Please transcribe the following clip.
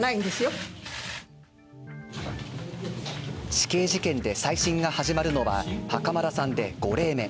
死刑事件で再審が始まるのは、袴田さんで５例目。